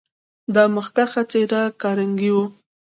دا مخکښه څېره کارنګي و.